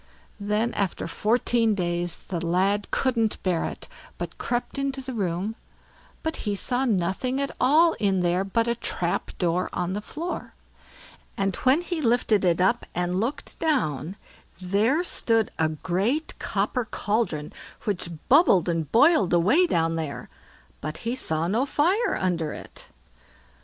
Then after fourteen days the lad couldn't bear it, but crept into the room, but he saw nothing at all in there but a trap door on the floor; and when he lifted it up and looked down, there stood a great copper cauldron which bubbled and boiled away down there; but he saw no fire under it.